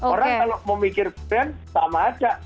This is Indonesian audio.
orang kalau memikirkan brand sama saja